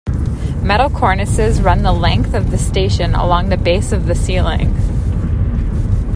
Metal cornices run the length of the station along the base of the ceiling.